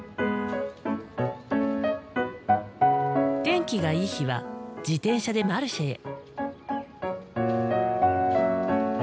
天気がいい日は自転車でマルシェへ。